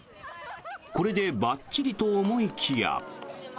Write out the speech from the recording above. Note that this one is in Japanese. これでばっちりと思いきや。